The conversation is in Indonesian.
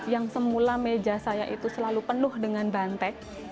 yang semula meja saya itu selalu penuh dengan banteng